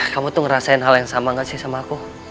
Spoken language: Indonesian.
kamu tuh ngerasain hal yang sama gak sih sama aku